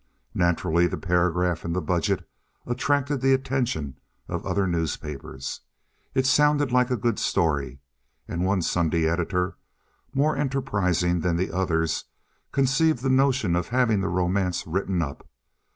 Naturally, the paragraph in the Budget attracted the attention of other newspapers. It sounded like a good story, and one Sunday editor, more enterprising than the others, conceived the notion of having this romance written up.